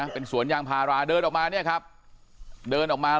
เป็นสวนยางพาราเดินออกมา